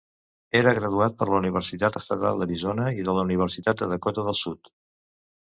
Era graduat per la Universitat Estatal d'Arizona i la Universitat de Dakota del Sud.